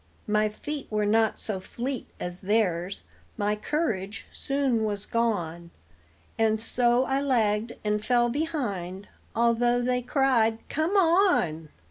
My feet were not so fleet as theirs, my courage soon was gone, And so I lagged and fell behind, although they cried "Come on!"